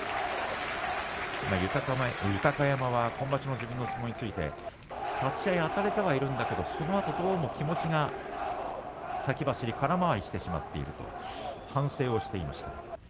豊山は今場所、自分の相撲について立ち合いあたれているけれどそのあとどうも気持ちが先走り、空回りしてしまっていると反省していました。